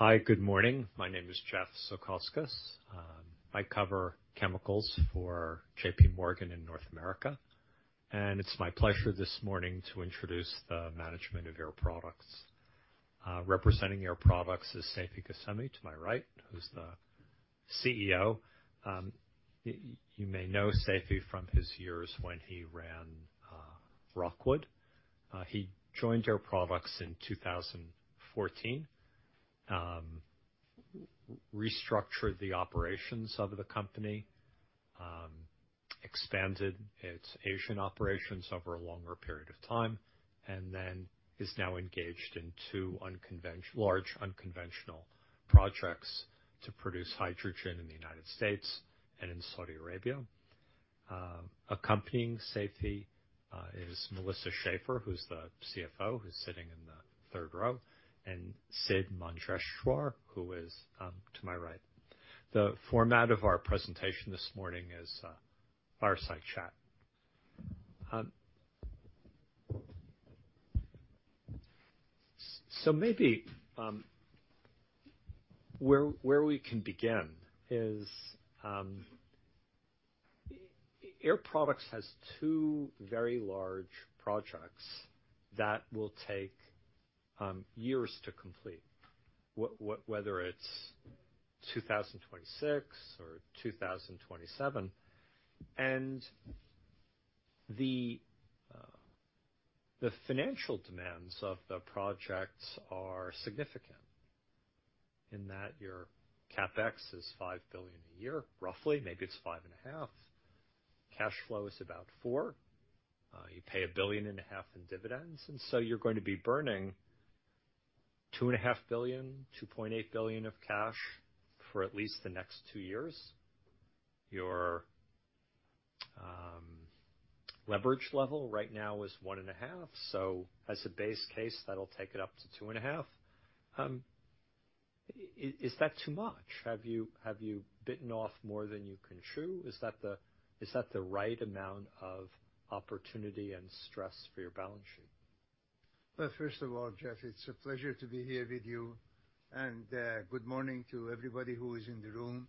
Hi, good morning. My name is Jeffrey Zekauskas. I cover chemicals for J.P. Morgan in North America, and it's my pleasure this morning to introduce the management of Air Products. Representing Air Products is Seifi Ghasemi to my right, who's the CEO. You may know Seifi from his years when he ran Rockwood. He joined Air Products in 2014, restructured the operations of the company, expanded its Asian operations over a longer period of time, and then is now engaged in two large unconventional projects to produce hydrogen in the United States and in Saudi Arabia. Accompanying Seifi is Melissa Schaeffer, who's the CFO, who's sitting in the third row, and Sidd Manjeshwar, who is to my right. The format of our presentation this morning is fireside chat. So maybe where we can begin is Air Products has two very large projects that will take years to complete, whether it's 2026 or 2027. And the financial demands of the projects are significant in that your CapEx is $5 billion a year, roughly. Maybe it's $5.5 billion. Cash flow is about $4 billion. You pay $1.5 billion in dividends, and so you're going to be burning $2.5 billion-$2.8 billion of cash for at least the next two years. Your leverage level right now is $1.5 billion, so as a base case, that'll take it up to $2.5 billion. Is that too much? Have you bitten off more than you can chew? Is that the right amount of opportunity and stress for your balance sheet? Well, first of all, Jeff, it's a pleasure to be here with you, and good morning to everybody who is in the room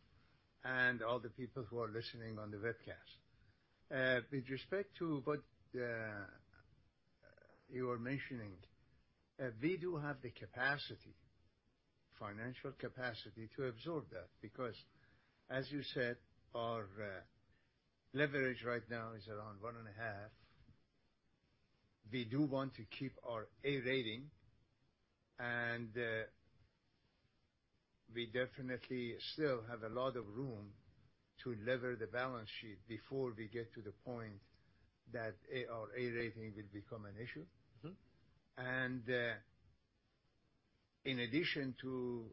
and all the people who are listening on the webcast. With respect to what you were mentioning, we do have the capacity, financial capacity, to absorb that because, as you said, our leverage right now is around $1.5 billion. We do want to keep our A rating, and we definitely still have a lot of room to lever the balance sheet before we get to the point that our A rating will become an issue. And in addition to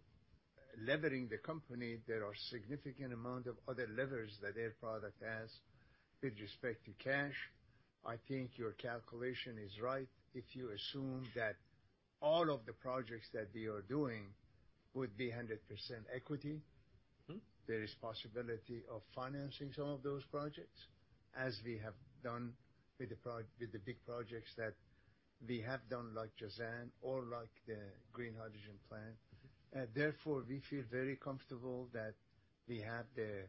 levering the company, there are a significant amount of other levers that Air Products has with respect to cash. I think your calculation is right. If you assume that all of the projects that we are doing would be 100% equity, there is possibility of financing some of those projects, as we have done with the big projects that we have done, like Jazan or like the Green Hydrogen Plant. Therefore, we feel very comfortable that we have the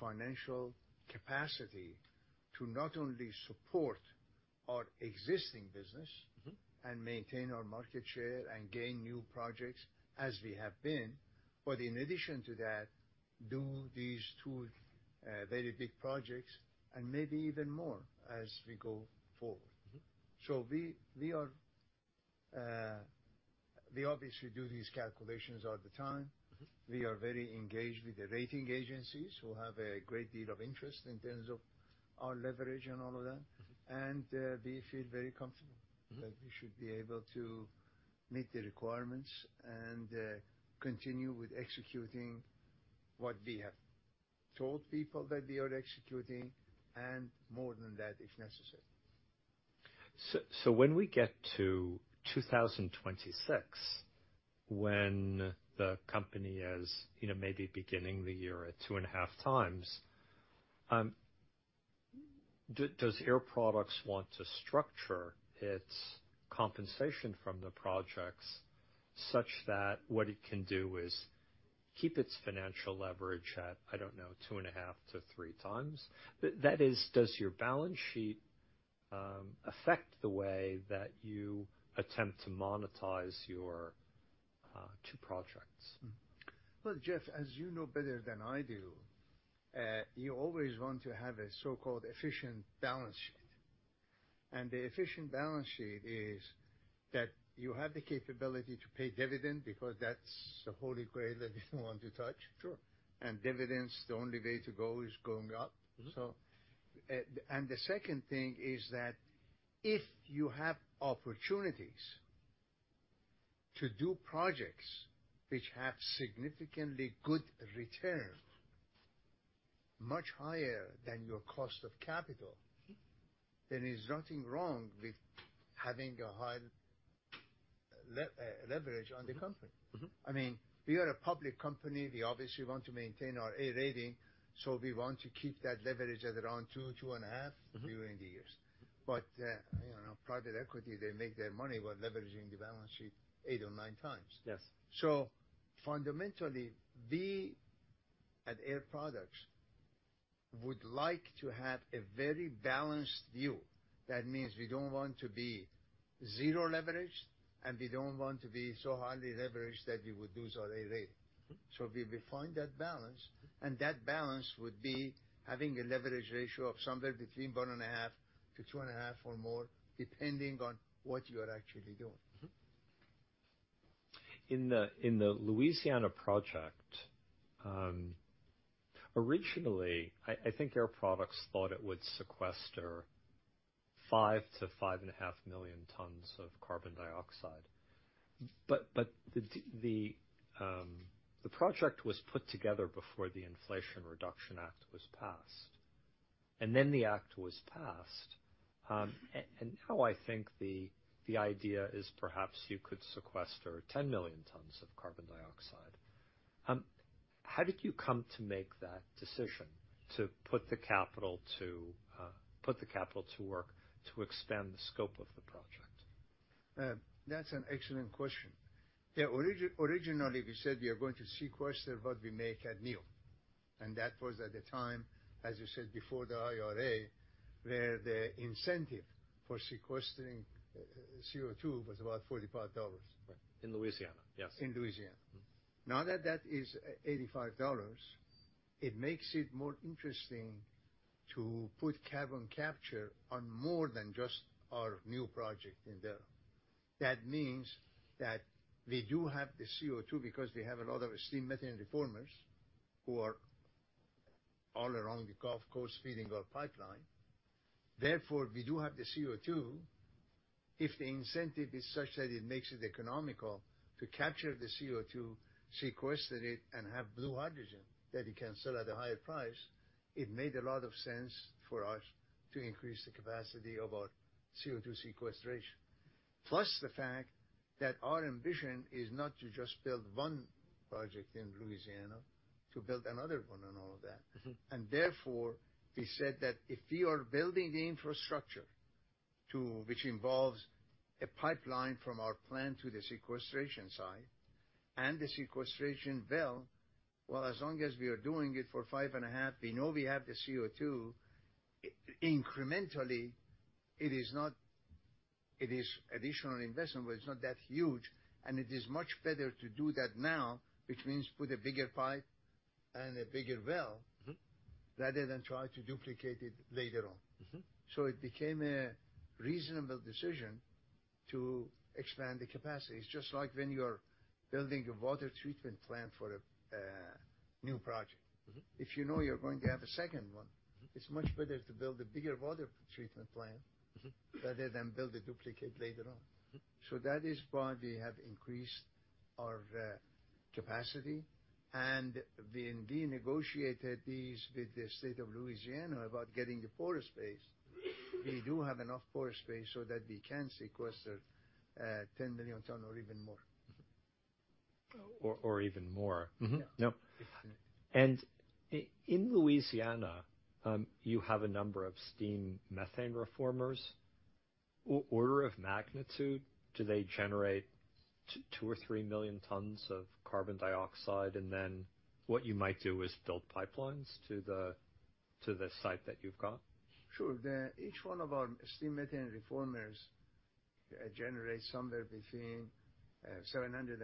financial capacity to not only support our existing business and maintain our market share and gain new projects, as we have been, but in addition to that, do these two very big projects and maybe even more as we go forward. We obviously do these calculations all the time. We are very engaged with the rating agencies, who have a great deal of interest in terms of our leverage and all of that. We feel very comfortable that we should be able to meet the requirements and continue with executing what we have told people that we are executing, and more than that if necessary. So when we get to 2026, when the company is maybe beginning the year at 2.5x, does Air Products want to structure its compensation from the projects such that what it can do is keep its financial leverage at, I don't know, 2.5x-3x? That is, does your balance sheet affect the way that you attempt to monetize your two projects? Well, Jeff, as you know better than I do, you always want to have a so-called efficient balance sheet. The efficient balance sheet is that you have the capability to pay dividend because that's the holy grail that you don't want to touch. Dividends, the only way to go is going up. The second thing is that if you have opportunities to do projects which have significantly good return, much higher than your cost of capital, then there's nothing wrong with having a high leverage on the company. I mean, we are a public company. We obviously want to maintain our A rating, so we want to keep that leverage at around 2x-2.5x during the years. But private equity, they make their money by leveraging the balance sheet 8x or 9x. Fundamentally, we at Air Products would like to have a very balanced view. That means we don't want to be zero leverage, and we don't want to be so highly leveraged that we would lose our A rating. We would find that balance, and that balance would be having a leverage ratio of somewhere between 1.5x-2.5x or more, depending on what you are actually doing. In the Louisiana project, originally, I think Air Products thought it would sequester 5 million-5.5 million tons of carbon dioxide. But the project was put together before the Inflation Reduction Act was passed, and then the act was passed. And now I think the idea is perhaps you could sequester 10 million tons of carbon dioxide. How did you come to make that decision, to put the capital to work to expand the scope of the project? That's an excellent question. Yeah, originally, we said we are going to sequester what we make at NEOM, and that was at the time, as you said, before the IRA, where the incentive for sequestering CO2 was about $45. Right. In Louisiana, yes. In Louisiana. Now that that is $85, it makes it more interesting to put carbon capture on more than just our new project in there. That means that we do have the CO2 because we have a lot of steam methane reformers who are all along the Gulf Coast feeding our pipeline. Therefore, we do have the CO2. If the incentive is such that it makes it economical to capture the CO2, sequester it, and have blue hydrogen that you can sell at a higher price, it made a lot of sense for us to increase the capacity of our CO2 sequestration, plus the fact that our ambition is not to just build one project in Louisiana, to build another one and all of that. Therefore, we said that if we are building the infrastructure which involves a pipeline from our plant to the sequestration site and the sequestration well, well, as long as we are doing it for 5.5 million tons, we know we have the CO2. Incrementally, it is additional investment, but it's not that huge, and it is much better to do that now, which means put a bigger pipe and a bigger well, rather than try to duplicate it later on. So it became a reasonable decision to expand the capacity, just like when you are building a water treatment plant for a new project. If you know you're going to have a second one, it's much better to build a bigger water treatment plant rather than build a duplicate later on. So that is why we have increased our capacity. When we negotiated these with the state of Louisiana about getting the porous space, we do have enough porous space so that we can sequester 10 million tons or even more. Or even more. No? And in Louisiana, you have a number of steam methane reformers. Order of magnitude, do they generate 2 million or 3 million tons of carbon dioxide, and then what you might do is build pipelines to the site that you've got? Sure. Each one of our steam methane reformers generates somewhere between 0.75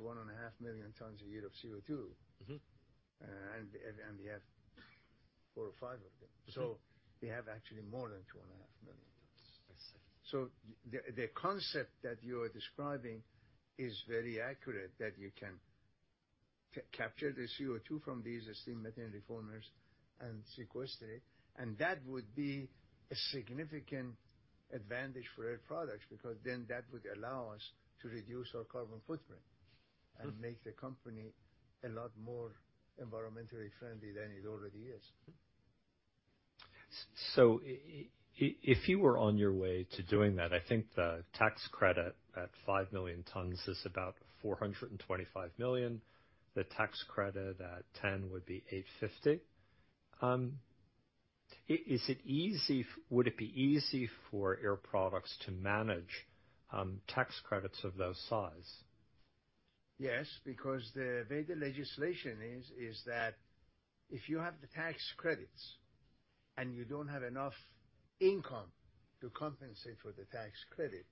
million-1.5 million tons a year of CO2, and we have 4 or 5 of them. So we have actually more than 2.5 million tons. So the concept that you are describing is very accurate, that you can capture the CO2 from these steam methane reformers and sequester it. And that would be a significant advantage for Air Products because then that would allow us to reduce our carbon footprint and make the company a lot more environmentally friendly than it already is. So if you were on your way to doing that, I think the tax credit at 5 million tons is about $425 million. The tax credit at 10 would be $850 million. Would it be easy for Air Products to manage tax credits of those sizes? Yes, because the way the legislation is that if you have the tax credits and you don't have enough income to compensate for the tax credit,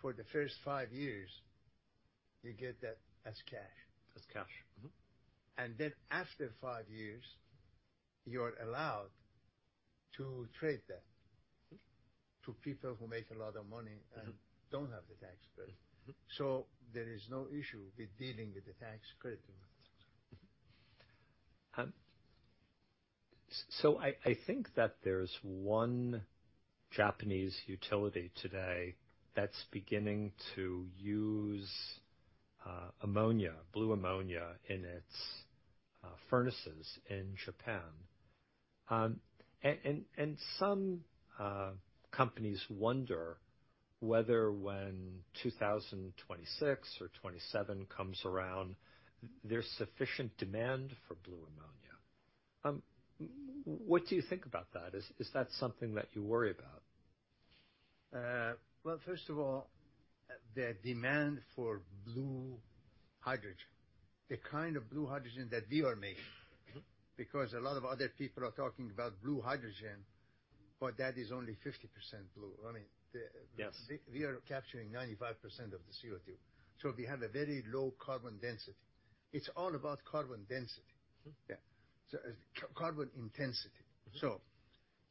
for the first five years, you get that as cash. And then after five years, you are allowed to trade that to people who make a lot of money and don't have the tax credit. So there is no issue with dealing with the tax credits. So I think that there's one Japanese utility today that's beginning to use ammonia, blue ammonia, in its furnaces in Japan. Some companies wonder whether when 2026 or 2027 comes around, there's sufficient demand for blue ammonia. What do you think about that? Is that something that you worry about? Well, first of all, the demand for blue hydrogen, the kind of blue hydrogen that we are making, because a lot of other people are talking about blue hydrogen, but that is only 50% blue. I mean, we are capturing 95% of the CO2. So we have a very low carbon density. It's all about carbon density. Yeah. Carbon intensity. So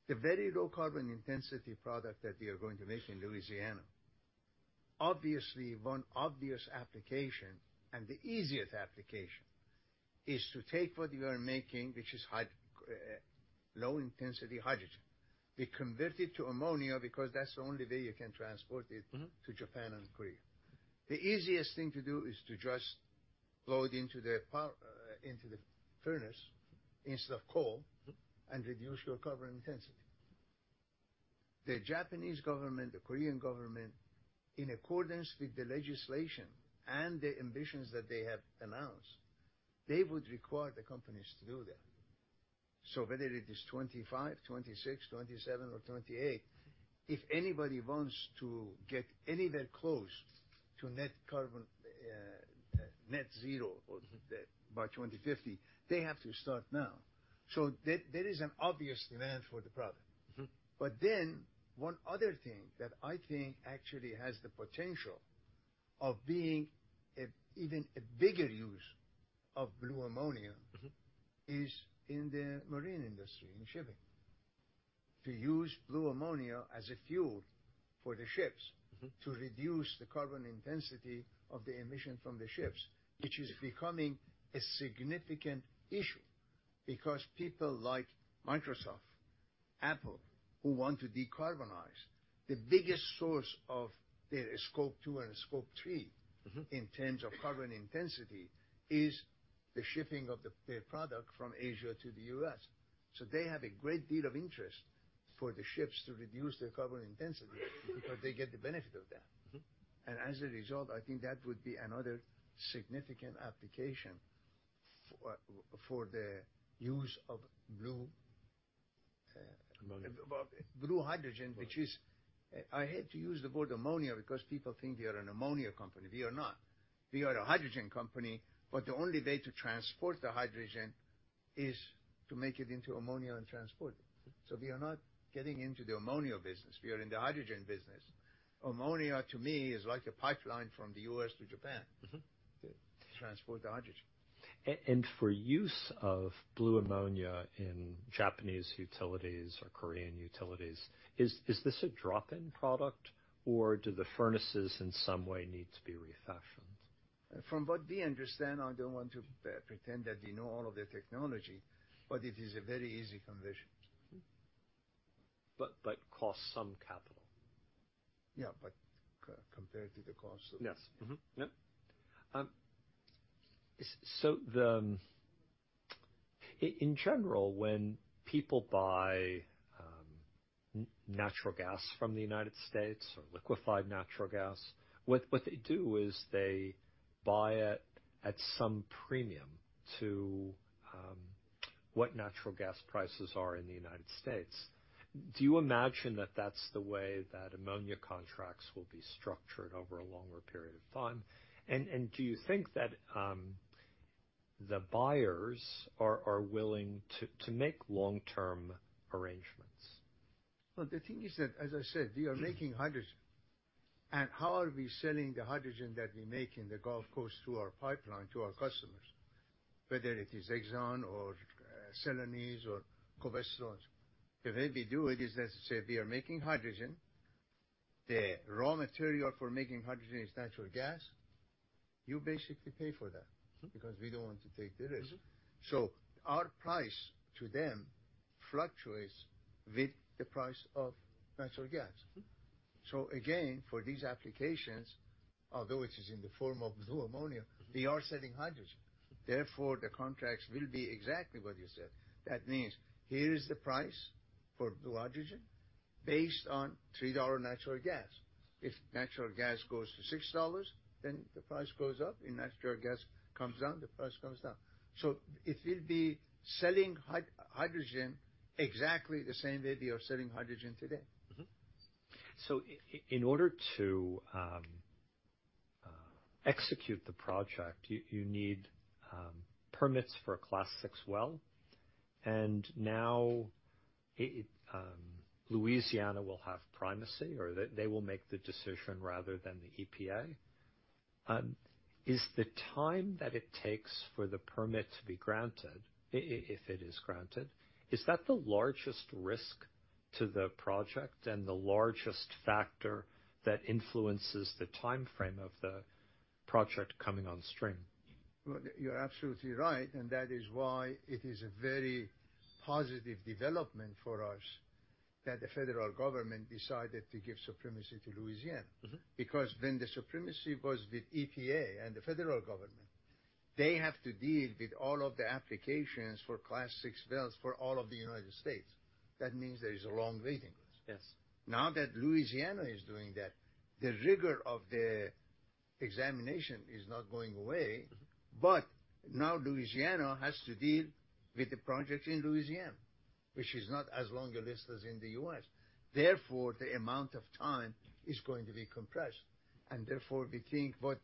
the very low carbon intensity product that we are going to make in Louisiana, obviously, one obvious application, and the easiest application, is to take what you are making, which is low-intensity hydrogen; we convert it to ammonia because that's the only way you can transport it to Japan and Korea. The easiest thing to do is to just blow it into the furnace instead of coal and reduce your carbon intensity. The Japanese government, the Korean government, in accordance with the legislation and the ambitions that they have announced, they would require the companies to do that. So whether it is 2025, 2026, 2027, or 2028, if anybody wants to get anywhere close to net zero by 2050, they have to start now. So there is an obvious demand for the product. But then one other thing that I think actually has the potential of being even a bigger use of blue ammonia is in the marine industry, in shipping, to use blue ammonia as a fuel for the ships to reduce the carbon intensity of the emission from the ships, which is becoming a significant issue because people like Microsoft, Apple, who want to decarbonize, the biggest source of their Scope 2 and Scope 3 in terms of carbon intensity is the shipping of their product from Asia to the U.S. So they have a great deal of interest for the ships to reduce their carbon intensity because they get the benefit of that. And as a result, I think that would be another significant application for the use of blue. Ammonia. Blue hydrogen, which is I hate to use the word ammonia because people think we are an ammonia company. We are not. We are a hydrogen company, but the only way to transport the hydrogen is to make it into ammonia and transport it. So we are not getting into the ammonia business. We are in the hydrogen business. Ammonia, to me, is like a pipeline from the U.S. to Japan to transport the hydrogen. For use of blue ammonia in Japanese utilities or Korean utilities, is this a drop-in product, or do the furnaces in some way need to be refashioned? From what we understand, I don't want to pretend that we know all of the technology, but it is a very easy conversion. But costs some capital. Yeah, but compared to the cost of. Yes. Yep. So in general, when people buy natural gas from the United States or liquefied natural gas, what they do is they buy it at some premium to what natural gas prices are in the United States. Do you imagine that that's the way that ammonia contracts will be structured over a longer period of time? And do you think that the buyers are willing to make long-term arrangements? Well, the thing is that, as I said, we are making hydrogen. How are we selling the hydrogen that we make in the Gulf Coast through our pipeline to our customers, whether it is Exxon or Celanese or Covestro? The way we do it is that we say, "We are making hydrogen. The raw material for making hydrogen is natural gas. You basically pay for that because we don't want to take the risk." Our price to them fluctuates with the price of natural gas. Again, for these applications, although it is in the form of blue ammonia, we are selling hydrogen. Therefore, the contracts will be exactly what you said. That means here is the price for blue hydrogen based on $3 natural gas. If natural gas goes to $6, then the price goes up. If natural gas comes down, the price comes down. It will be selling hydrogen exactly the same way we are selling hydrogen today. So in order to execute the project, you need permits for a Class VI well. And now Louisiana will have primacy, or they will make the decision rather than the EPA. Is the time that it takes for the permit to be granted, if it is granted, is that the largest risk to the project and the largest factor that influences the timeframe of the project coming on stream? Well, you're absolutely right, and that is why it is a very positive development for us that the federal government decided to give primacy to Louisiana because when the primacy was with EPA and the federal government, they have to deal with all of the applications for Class 6 wells for all of the United States. That means there is a long waiting list. Now that Louisiana is doing that, the rigor of the examination is not going away, but now Louisiana has to deal with the projects in Louisiana, which is not as long a list as in the U.S. Therefore, the amount of time is going to be compressed. And therefore, we think what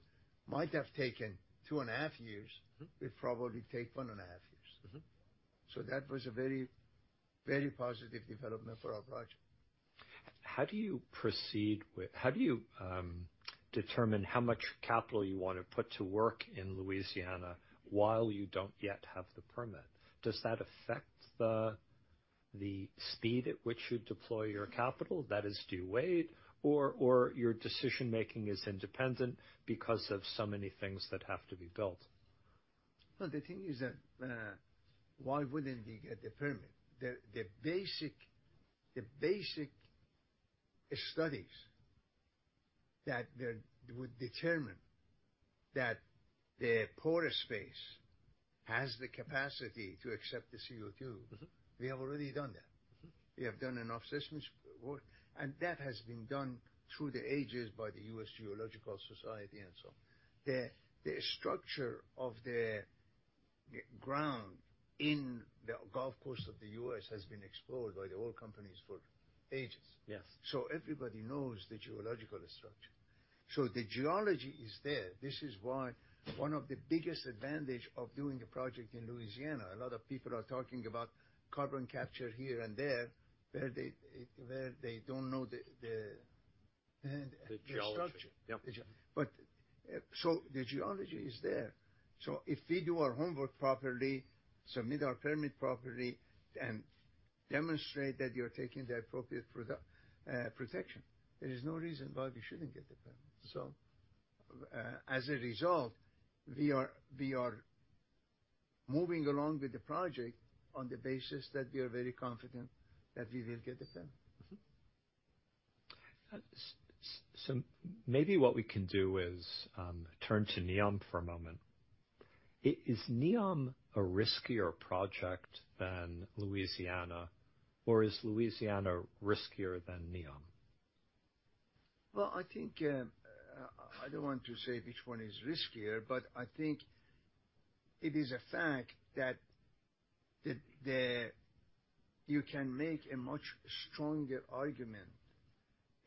might have taken 2.5 years will probably take 1.5 years. So that was a very, very positive development for our project. How do you proceed with how do you determine how much capital you want to put to work in Louisiana while you don't yet have the permit? Does that affect the speed at which you deploy your capital, that is, do you wait, or your decision-making is independent because of so many things that have to be built? Well, the thing is that why wouldn't we get the permit? The basic studies that would determine that the porous space has the capacity to accept the CO2, we have already done that. We have done enough assessment work, and that has been done through the ages by the U.S. Geological Survey and so on. The structure of the ground in the Gulf Coast of the U.S. has been explored by the oil companies for ages. So everybody knows the geological structure. So the geology is there. This is why one of the biggest advantages of doing the project in Louisiana, a lot of people are talking about carbon capture here and there, where they don't know the structure. The geology. Yeah. The geology is there. If we do our homework properly, submit our permit properly, and demonstrate that you're taking the appropriate protection, there is no reason why we shouldn't get the permit. As a result, we are moving along with the project on the basis that we are very confident that we will get the permit. Maybe what we can do is turn to NEOM for a moment. Is NEOM a riskier project than Louisiana, or is Louisiana riskier than NEOM? Well, I don't want to say which one is riskier, but I think it is a fact that you can make a much stronger argument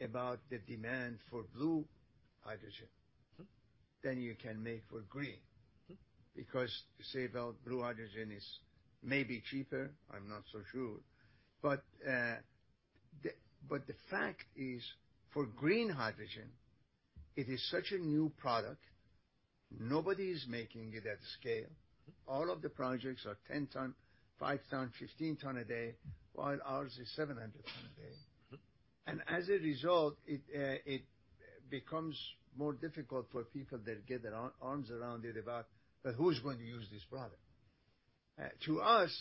about the demand for blue hydrogen than you can make for green because you say, "Well, blue hydrogen is maybe cheaper. I'm not so sure." But the fact is, for green hydrogen, it is such a new product. Nobody is making it at scale. All of the projects are 10-ton, 5-ton, 15-ton a day, while ours is 700-ton a day. As a result, it becomes more difficult for people that get their arms around it about, "But who's going to use this product?" To us,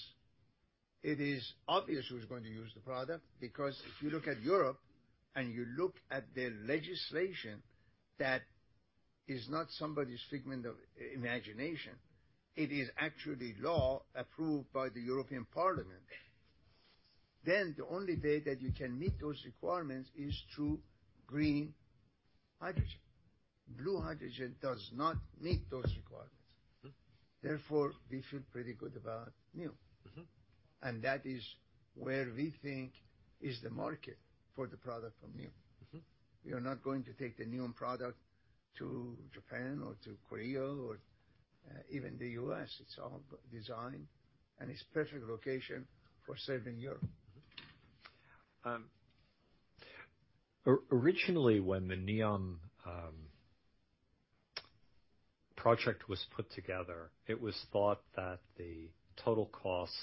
it is obvious who's going to use the product because if you look at Europe and you look at their legislation that is not somebody's figment of imagination, it is actually law approved by the European Parliament, then the only way that you can meet those requirements is through green hydrogen. Blue hydrogen does not meet those requirements. Therefore, we feel pretty good about NEOM. And that is where we think is the market for the product from NEOM. We are not going to take the NEOM product to Japan or to Korea or even the U.S. It's all designed, and it's perfect location for serving Europe. Originally, when the NEOM project was put together, it was thought that the total cost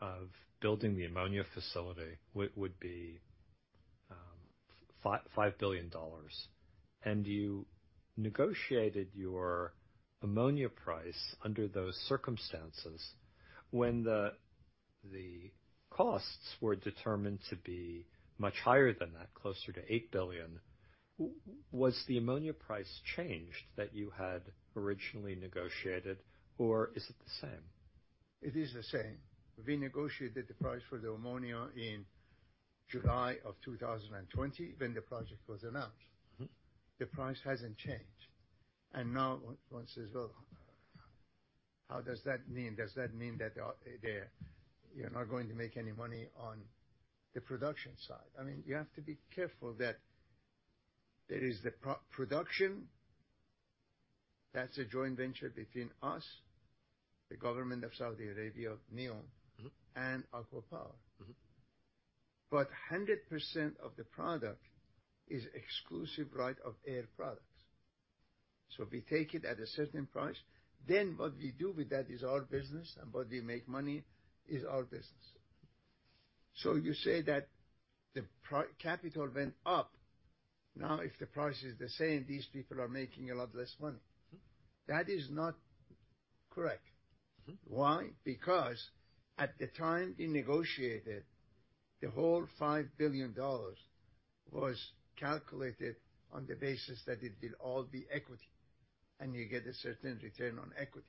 of building the ammonia facility would be $5 billion. You negotiated your ammonia price under those circumstances. When the costs were determined to be much higher than that, closer to $8 billion, was the ammonia price changed that you had originally negotiated, or is it the same? It is the same. We negotiated the price for the ammonia in July of 2020 when the project was announced. The price hasn't changed. And now one says, "Well, how does that mean? Does that mean that you're not going to make any money on the production side?" I mean, you have to be careful that there is the production. That's a joint venture between us, the government of Saudi Arabia, NEOM, and ACWA Power. But 100% of the product is exclusive right of Air Products. So we take it at a certain price. Then what we do with that is our business, and what we make money is our business. So you say that the capital went up. Now, if the price is the same, these people are making a lot less money. That is not correct. Why? Because at the time we negotiated, the whole $5 billion was calculated on the basis that it will all be equity, and you get a certain return on equity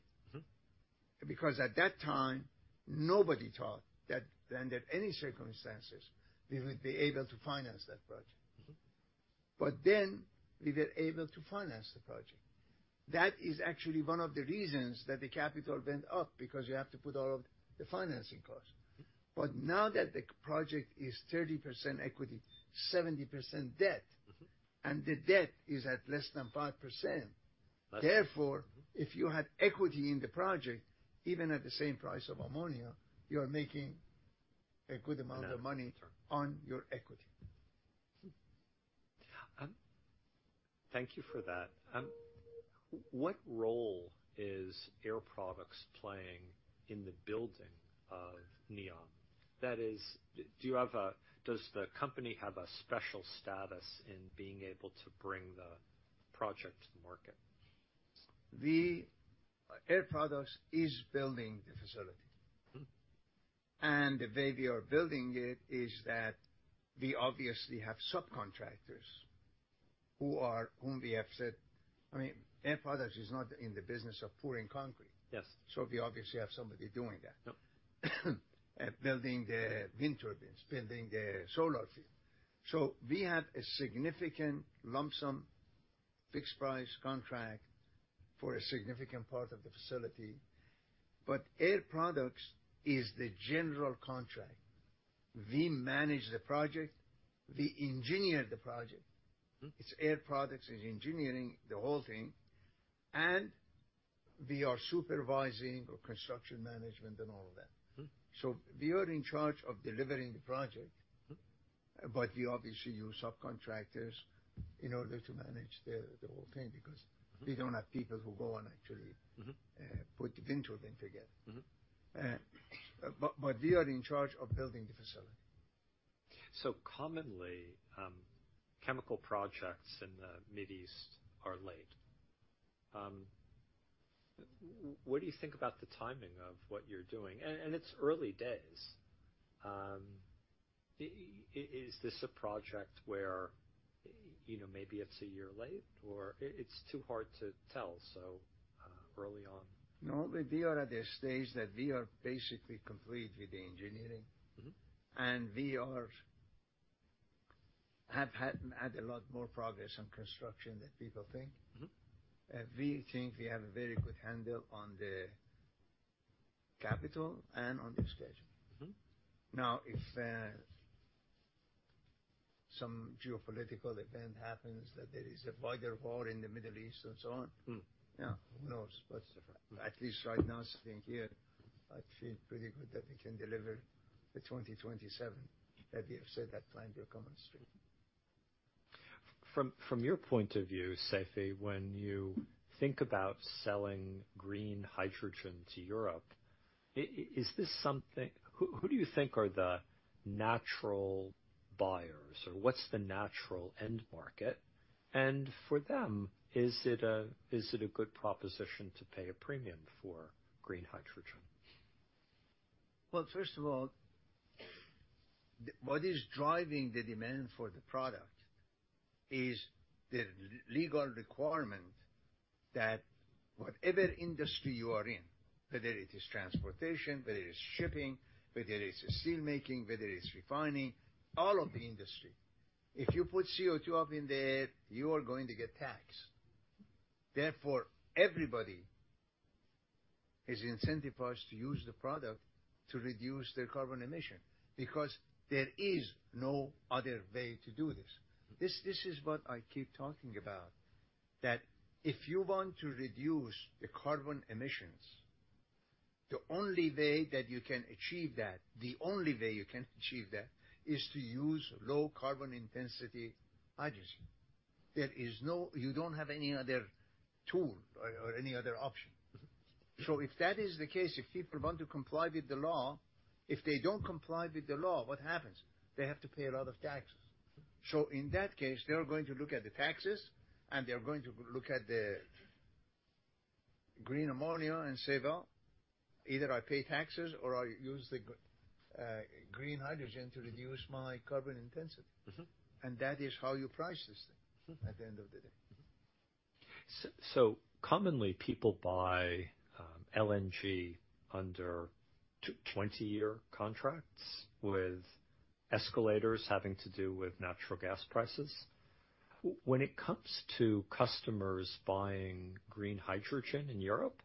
because at that time, nobody thought that under any circumstances, we would be able to finance that project. But then we were able to finance the project. That is actually one of the reasons that the capital went up because you have to put all of the financing costs. But now that the project is 30% equity, 70% debt, and the debt is at less than 5%, therefore, if you had equity in the project, even at the same price of ammonia, you are making a good amount of money on your equity. Thank you for that. What role is Air Products playing in the building of NEOM? That is, does the company have a special status in being able to bring the project to the market? Air Products is building the facility. The way we are building it is that we obviously have subcontractors whom we have said I mean, Air Products is not in the business of pouring concrete. We obviously have somebody doing that, building the wind turbines, building the solar field. We have a significant lump-sum fixed-price contract for a significant part of the facility. But Air Products is the general contract. We manage the project. We engineer the project. It's Air Products is engineering the whole thing. We are supervising construction management and all of that. We are in charge of delivering the project, but we obviously use subcontractors in order to manage the whole thing because we don't have people who go and actually put the wind turbine together. But we are in charge of building the facility. Commonly, chemical projects in the Middle East are late. What do you think about the timing of what you're doing? It's early days. Is this a project where maybe it's a year late, or? It's too hard to tell so early on. No, we are at a stage that we are basically complete with the engineering, and we have had a lot more progress on construction than people think. We think we have a very good handle on the capital and on the schedule. Now, if some geopolitical event happens, that there is a wider war in the Middle East and so on, yeah, who knows? But at least right now, sitting here, I feel pretty good that we can deliver the 2027 that we have said that plan will come on stream. From your point of view, Seifi, when you think about selling green hydrogen to Europe, is this something who do you think are the natural buyers, or what's the natural end market? And for them, is it a good proposition to pay a premium for green hydrogen? Well, first of all, what is driving the demand for the product is the legal requirement that whatever industry you are in, whether it is transportation, whether it is shipping, whether it is steelmaking, whether it's refining, all of the industry, if you put CO2 up in the air, you are going to get taxed. Therefore, everybody is incentivized to use the product to reduce their carbon emission because there is no other way to do this. This is what I keep talking about, that if you want to reduce the carbon emissions, the only way that you can achieve that, the only way you can achieve that, is to use low-carbon-intensity hydrogen. You don't have any other tool or any other option. So if that is the case, if people want to comply with the law, if they don't comply with the law, what happens? They have to pay a lot of taxes. So in that case, they are going to look at the taxes, and they are going to look at the green ammonia and say, "Well, either I pay taxes or I use the green hydrogen to reduce my carbon intensity." And that is how you price this thing at the end of the day. So commonly, people buy LNG under 20-year contracts with escalators having to do with natural gas prices. When it comes to customers buying green hydrogen in Europe,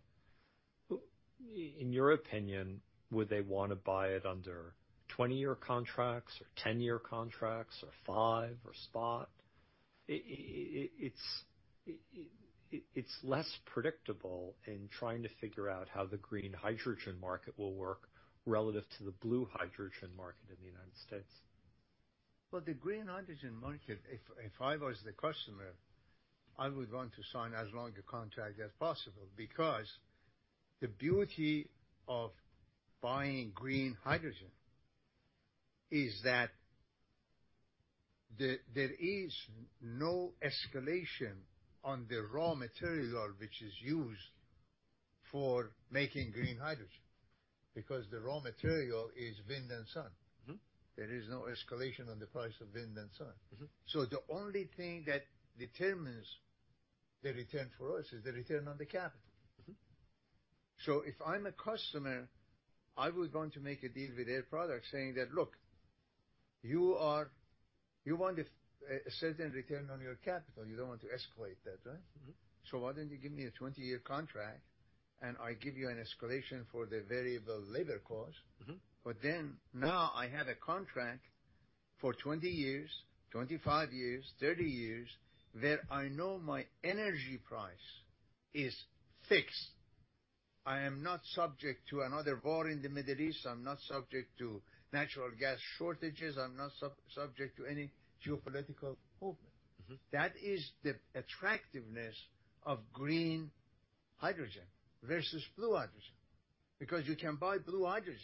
in your opinion, would they want to buy it under 20-year contracts or 10-year contracts or 5-year contracts or spot? It's less predictable in trying to figure out how the green hydrogen market will work relative to the blue hydrogen market in the United States. Well, the green hydrogen market, if I was the customer, I would want to sign as long a contract as possible because the beauty of buying green hydrogen is that there is no escalation on the raw material which is used for making green hydrogen because the raw material is wind and sun. There is no escalation on the price of wind and sun. So the only thing that determines the return for us is the return on the capital. So if I'm a customer, I would want to make a deal with Air Products saying that, "Look, you want a certain return on your capital. You don't want to escalate that, right? So why don't you give me a 20-year contract, and I give you an escalation for the variable labor cost?" But then now I have a contract for 20 years, 25 years, 30 years where I know my energy price is fixed. I am not subject to another war in the Middle East. I'm not subject to natural gas shortages. I'm not subject to any geopolitical movement. That is the attractiveness of green hydrogen versus blue hydrogen because you can buy blue hydrogen.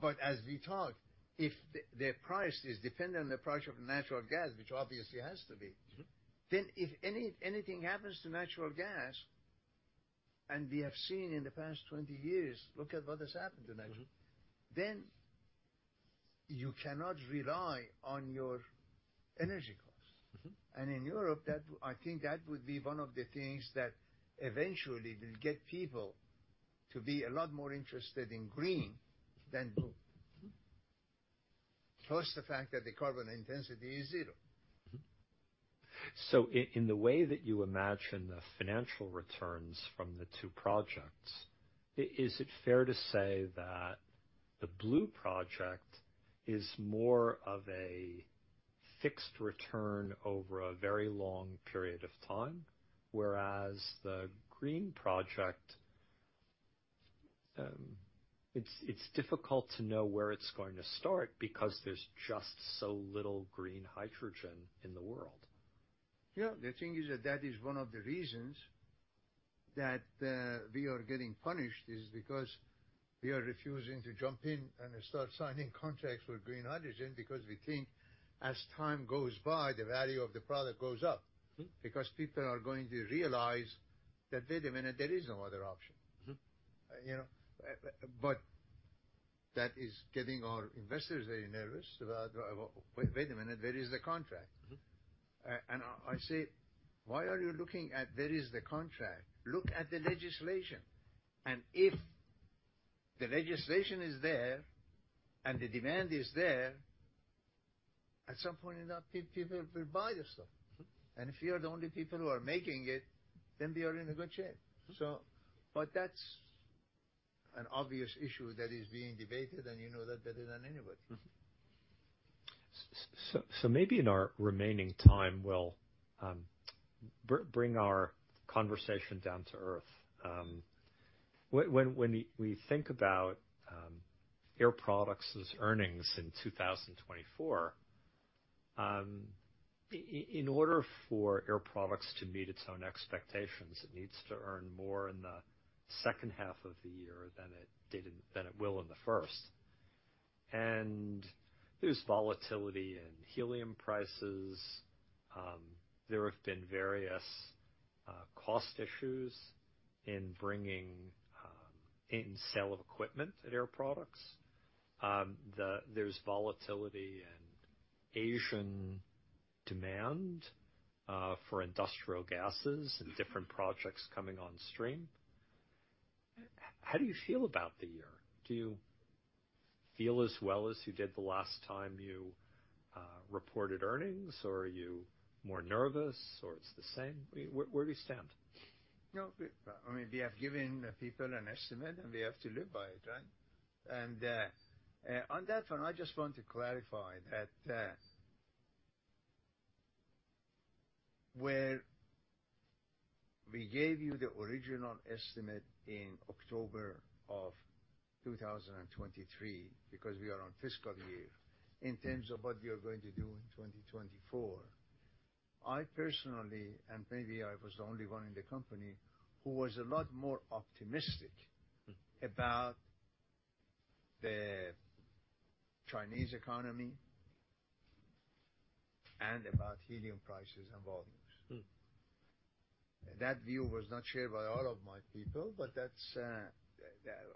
But as we talked, if the price is dependent on the price of natural gas, which obviously has to be, then if anything happens to natural gas, and we have seen in the past 20 years, look at what has happened to natural, then you cannot rely on your energy costs. In Europe, I think that would be one of the things that eventually will get people to be a lot more interested in green than blue, plus the fact that the carbon intensity is zero. So in the way that you imagine the financial returns from the two projects, is it fair to say that the blue project is more of a fixed return over a very long period of time, whereas the green project, it's difficult to know where it's going to start because there's just so little green hydrogen in the world? Yeah. The thing is that that is one of the reasons that we are getting punished is because we are refusing to jump in and start signing contracts with green hydrogen because we think as time goes by, the value of the product goes up because people are going to realize that, "Wait a minute. There is no other option." But that is getting our investors very nervous about, "Wait a minute. Where is the contract?" And I say, "Why are you looking at where is the contract? Look at the legislation. And if the legislation is there and the demand is there, at some point enough, people will buy the stuff. And if you are the only people who are making it, then we are in a good shape." But that's an obvious issue that is being debated, and you know that better than anybody. Maybe in our remaining time, we'll bring our conversation down to earth. When we think about Air Products' earnings in 2024, in order for Air Products to meet its own expectations, it needs to earn more in the second half of the year than it will in the first. There's volatility in helium prices. There have been various cost issues in sale of equipment at Air Products. There's volatility in Asian demand for industrial gases and different projects coming on stream. How do you feel about the year? Do you feel as well as you did the last time you reported earnings, or are you more nervous, or it's the same? Where do you stand? No, I mean, we have given the people an estimate, and we have to live by it, right? And on that front, I just want to clarify that where we gave you the original estimate in October of 2023 because we are on fiscal year, in terms of what you are going to do in 2024, I personally, and maybe I was the only one in the company, who was a lot more optimistic about the Chinese economy and about helium prices and volumes. That view was not shared by all of my people, but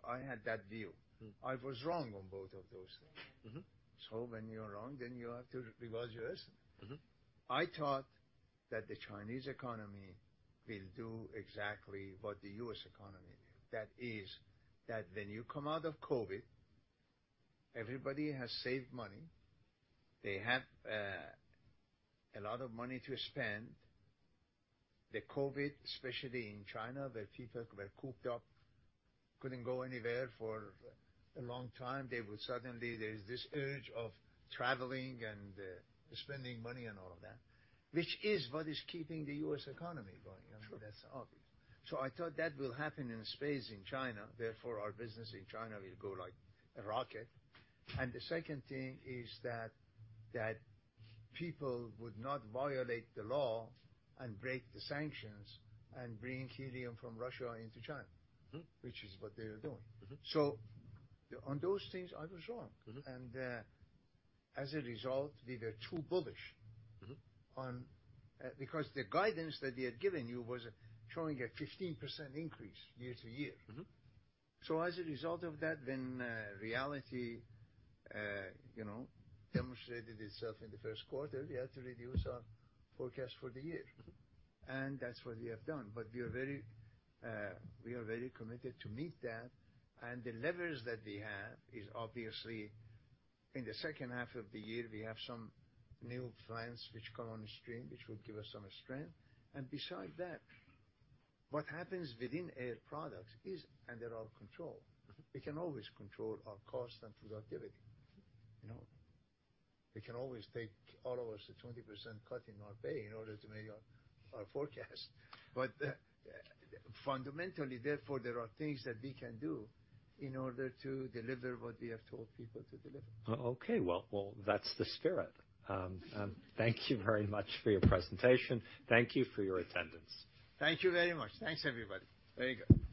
I had that view. I was wrong on both of those things. So when you're wrong, then you have to revise your estimate. I thought that the Chinese economy will do exactly what the U.S. economy did, that is that when you come out of COVID, everybody has saved money. They have a lot of money to spend. The COVID, especially in China, where people were cooped up, couldn't go anywhere for a long time, there's this urge of traveling and spending money and all of that, which is what is keeping the U.S. economy going. I mean, that's obvious. So I thought that will happen the same in China. Therefore, our business in China will go like a rocket. And the second thing is that people would not violate the law and break the sanctions and bring helium from Russia into China, which is what they are doing. So on those things, I was wrong. And as a result, we were too bullish because the guidance that we had given you was showing a 15% increase year-over-year. So as a result of that, when reality demonstrated itself in the first quarter, we had to reduce our forecast for the year. And that's what we have done. But we are very committed to meet that. And the levers that we have is obviously in the second half of the year, we have some new plants which come on stream which will give us some strength. And beside that, what happens within Air Products is under our control. We can always control our cost and productivity. We can always take all of us a 20% cut in our pay in order to meet our forecast. But fundamentally, therefore, there are things that we can do in order to deliver what we have told people to deliver. Okay. Well, that's the spirit. Thank you very much for your presentation. Thank you for your attendance. Thank you very much. Thanks, everybody. Very good.